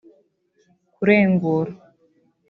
kurengura